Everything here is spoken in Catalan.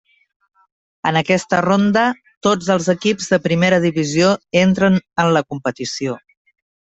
En aquesta ronda, tots els equips de Primera Divisió entren en la competició.